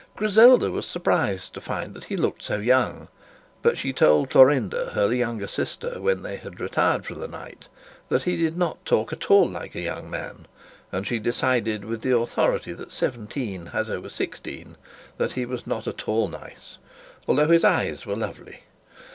Griselda was surprised to find that he looked so young; but she told Florinda her younger sister, when they had retired for the night, that he did not talk at all like a young man: and she decided with the authority that seventeen has over sixteen, that he was not at all nice, although his eyes were lovely.